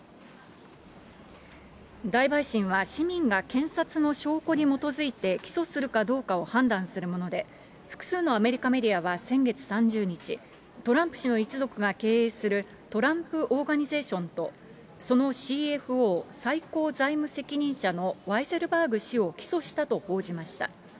大陪審は市民が検察の証拠に基づいて起訴するかどうかを判断するもので、複数のアメリカメディアは先月３０日、トランプ氏の一族が経営するトランプ・オーガニゼーションと、そのＣＦＯ・最高財務責任者のワイゼルバーグ氏を起訴したと報じました。